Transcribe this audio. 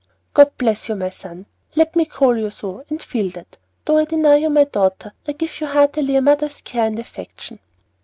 "God bless you, my son! Let me call you so, and feel that, though I deny you my daughter, I give you heartily a mother's care and affection."